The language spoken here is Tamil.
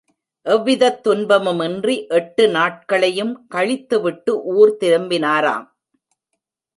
எவ்விதத் துன்பமுமின்றி எட்டு நாட்களையும் கழித்துவிட்டு ஊர் திரும்பினராம்.